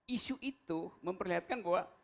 isu itu memperlihatkan bahwa